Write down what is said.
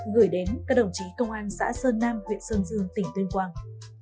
gửi đến các đồng chí công an xã sơn nam huyện sơn dương tỉnh tuyên quang